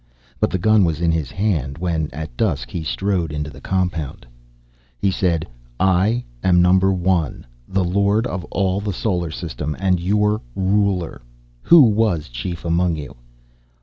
But the gun was in his hand when, at dusk, he strode into the compound. He said, "I am Number One, the Lord of all the Solar System, and your ruler. Who was chief among you?"